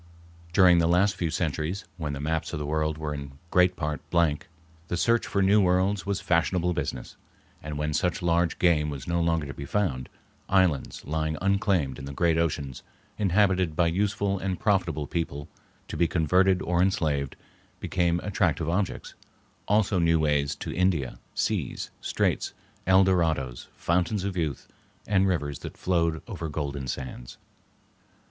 During the last few centuries, when the maps of the world were in great part blank, the search for new worlds was fashionable business, and when such large game was no longer to be found, islands lying unclaimed in the great oceans, inhabited by useful and profitable people to be converted or enslaved, became attractive objects; also new ways to India, seas, straits, El Dorados, fountains of youth, and rivers that flowed over golden sands.